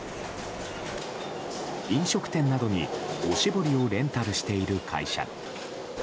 飲食店などにおしぼりをレンタルしている会社。